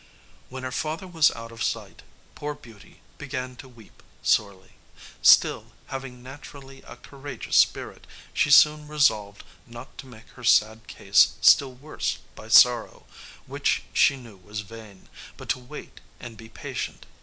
When her father was out of sight poor Beauty began to weep sorely; still, having naturally a courageous spirit, she soon resolved not to make her sad case still worse by sorrow, which she knew was vain, but to wait and be patient.